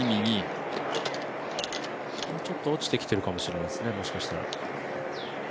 ちょっと落ちてきてるかもしれないですね、もしかしたら。